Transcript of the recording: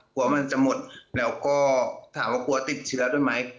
กลัวมันจะหมดแล้วก็ถามว่ากลัวติดเชื้อด้วยไหม